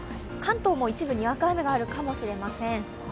関東も一部にわか雨があるかもしれません。